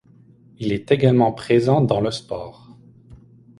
Il est également présent dans le sport.